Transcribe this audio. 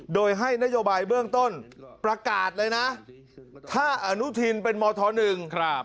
โดยให้นโยบายเบื้องต้นประกาศเลยนะถ้าอนุทินเป็นมศ๑